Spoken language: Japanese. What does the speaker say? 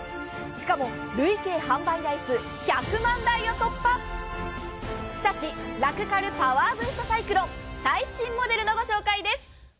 しかも累計販売台数１００万台を突破日立ラクかるパワーブーストサイクロン、最新モデルのご紹介です。